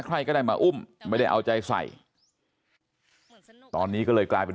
ใครก็ได้มาอุ้มไม่ได้เอาใจใส่ตอนนี้ก็เลยกลายเป็น